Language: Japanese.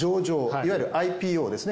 いわゆるＩＰＯですね